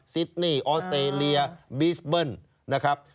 ซิดนี่ออสเตรเลียบีสเบิ้ลนะครับ